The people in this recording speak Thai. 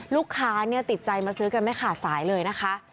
ลูกค้าติดใจมาซื้อกันไม่ขาดสายเลยนะคะ